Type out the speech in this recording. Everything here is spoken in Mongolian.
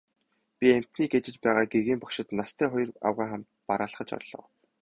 Би амьтныг ажиж байгааг гэгээн багшид настай хоёр авгайн хамт бараалхаж орлоо.